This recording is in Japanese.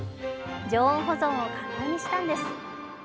常温保存を可能にしたのです。